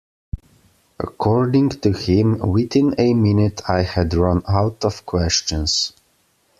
According to him, within a minute I had run out of questions.